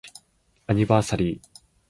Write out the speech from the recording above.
アニバーサリー